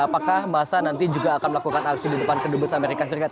apakah massa nanti juga akan melakukan aksi di depan kedutaan besar amerika serikat